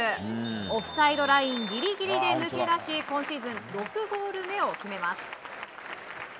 オフサイドラインギリギリで抜け出し今シーズン６ゴール目を決めます。